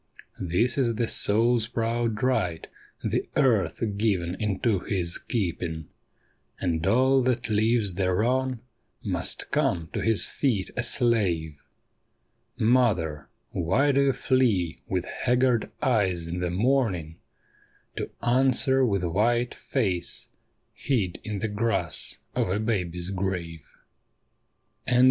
This is the soul's proud right, the earth given into his keeping; And all that lives thereon must come to his feet a slave. Mother, why do you flee with haggard eyes in the morning To answer with white face hid in the grass of a baby's grave